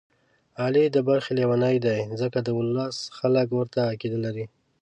علي د برخې لېونی دی، ځکه د ولس خلک ورته عقیده لري.